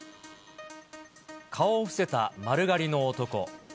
顔を伏せた丸刈りの男。